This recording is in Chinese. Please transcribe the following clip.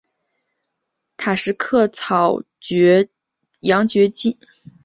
塔什克羊角芹为伞形科羊角芹属下的一个种。